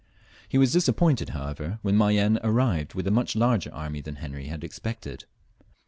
He was disappointed, however, when Mayenne arrived with a much larger army than Henry had expected.